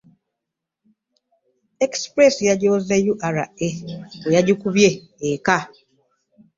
Express yajooze URA bwe yagikubye eka.